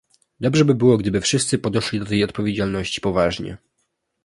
Dobrze by było, gdyby wszyscy podeszli do tej odpowiedzialności poważnie